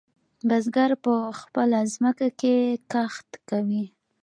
بزگر په خپله ځمکه کې کښت کوي.